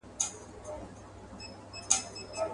په ډوډۍ به یې د غم عسکر ماړه وه.